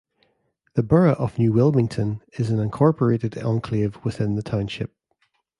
The borough of New Wilmington is an incorporated enclave within the township.